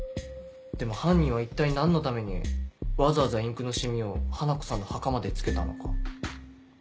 でも犯人は一体何のためにわざわざインクの染みを花子さんの墓まで付けたのか。